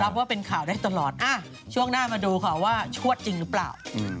ว่าเป็นข่าวได้ตลอดช่วงหน้ามาดูค่ะว่าชวดจริงหรือเปล่า